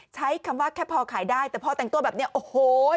ใช้คำว่าแค่พอขายได้แต่พอแต่งตัวแบบนี้โอ้โห